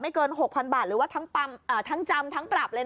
ไม่เกินหกพันบาทหรือว่าทั้งปรับอ่าทั้งจำทั้งปรับเลย